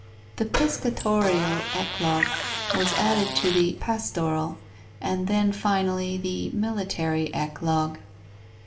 The piscatorial eclogue was added to the pastoral, and then, finally, the military eclogue.